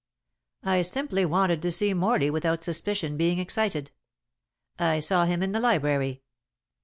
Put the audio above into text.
"I simply wanted to see Morley without suspicion being excited. I saw him in the library.